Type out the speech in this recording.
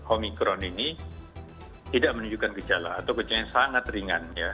omikron ini tidak menunjukkan gejala atau gejala yang sangat ringan ya